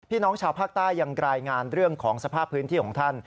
น้องชาวภาคใต้ยังรายงานเรื่องของสภาพพื้นที่ของท่าน